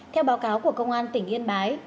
theo báo cáo của công an tỉnh yên bái